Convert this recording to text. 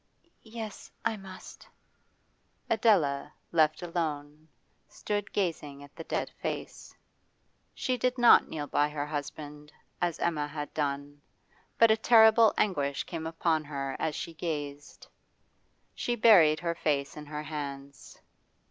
'Yes, I must.' Adela, left alone, stood gazing at the dead face. She did not kneel by her husband, as Emma had done, but a terrible anguish came upon her as she gazed; she buried her face in her hands.